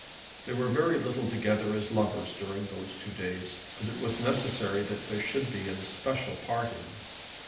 They were very little together as lovers during those two days, but it was necessary that there should be an especial parting.